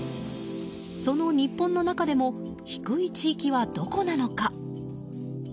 その日本の中でも低い地域はどこなのか？